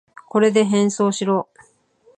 これで変装しろ。